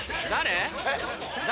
誰？